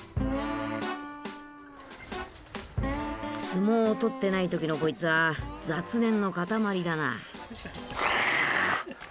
相撲をとってない時のこいつは雑念の塊だな。